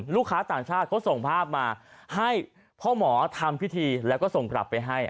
ต่างชาติเขาส่งภาพมาให้พ่อหมอทำพิธีแล้วก็ส่งกลับไปให้